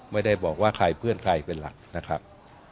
ไม่ได้บอกว่าใครเพื่อนใครเป็นหลักนะครับ